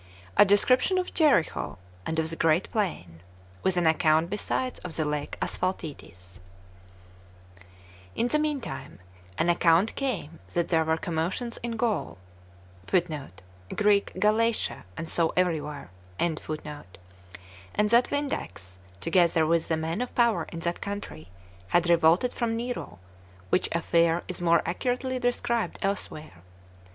A Description Of Jericho, And Of The Great Plain; With An Account Besides Of The Lake Asphaltites. 1. In the mean time, an account came that there were commotions in Gall, and that Vindex, together with the men of power in that country, had revolted from Nero; which affair is more accurately described elsewhere.